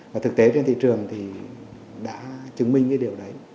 và thực tế trên thị trường thì đã chứng minh cái điều đấy